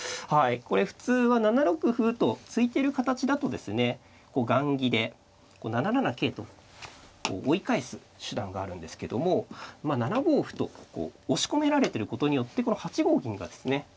これ普通は７六歩と突いてる形だとですねこう雁木で７七桂と追い返す手段があるんですけども７五歩と押し込められてることによってこの８五銀がですね